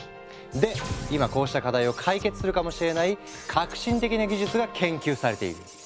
で今こうした課題を解決するかもしれない革新的な技術が研究されている。